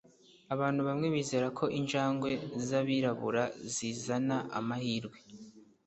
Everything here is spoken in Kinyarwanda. Abantu bamwe bizera ko injangwe zabirabura zizana amahirwe